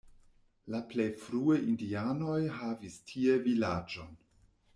La plej frue indianoj havis tie vilaĝon.